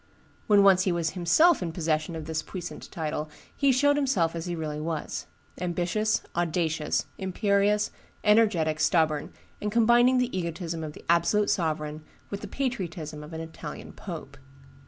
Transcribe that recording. When once he was himself in possession of this puissant title he showed himself as he really was; ambitious, audacious, imperious, energetic, stubborn, and combining the egotism of the absolute sovereign with the patriotism of an Italian pope.